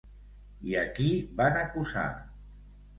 I a qui van acusar?